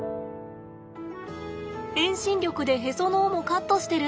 遠心力でへその緒もカットしてる！